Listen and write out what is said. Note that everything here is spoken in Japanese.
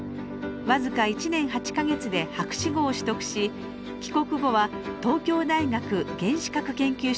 僅か１年８か月で博士号を取得し帰国後は東京大学原子核研究所の助教授に就任。